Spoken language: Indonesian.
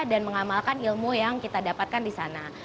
dan mengamalkan ilmu yang kita dapatkan di sana